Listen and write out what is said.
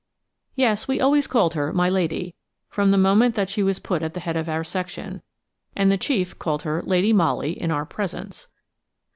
Yes, we always called her "my lady," from the moment that she was put at the head of our section; and the chief called her "Lady Molly" in our presence.